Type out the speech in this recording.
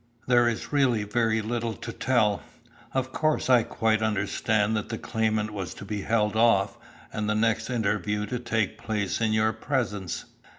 "There is really very little to tell. Of course I quite understand that the claimant was to be held off, and the next interview to take place in your presence."